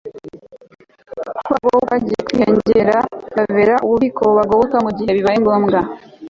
kwabo kwagiye kwiyongera bibabera ububiko bubagoboka mu gihe bibaye ngombwa